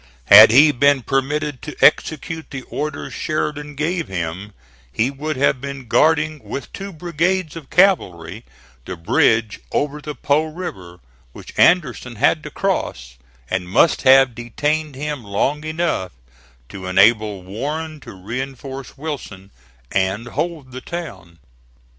Had he been permitted to execute the orders Sheridan gave him, he would have been guarding with two brigades of cavalry the bridge over the Po River which Anderson had to cross, and must have detained him long enough to enable Warren to reinforce Wilson and hold the town.